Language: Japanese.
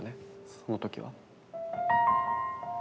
その時は。